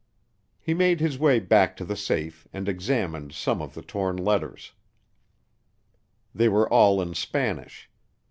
He made his way back to the safe and examined some of the torn letters; they were all in Spanish.